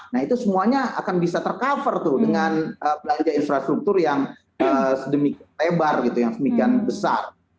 nah itu semuanya akan bisa tercover tuh dengan belanja infrastruktur yang sedemiki lebar gitu yang sedemikian besar